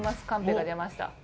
カンペが出ました。